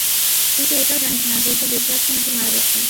তুই তো এটাও জানিস না যে সে বেঁচে আছে নাকি মারা গেছে!